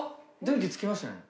電気つきましたね。